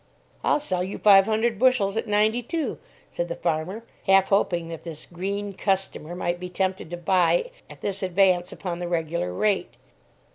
"I'll sell you five hundred bushels at ninety two," said the farmer, half hoping that this green customer might be tempted to buy at this advance upon the regular rate.